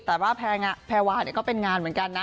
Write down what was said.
แต่ว่าแพรวาก็เป็นงานเหมือนกันนะ